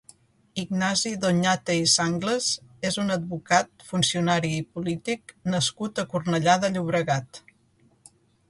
Ignasi Doñate i Sanglas és un advocat, funcionari i polític nascut a Cornellà de Llobregat.